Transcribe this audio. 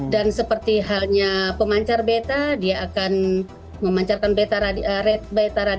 dan seperti halnya pemancar beta dia akan memancarkan beta radiasi itu biasanya ke dna ke cancer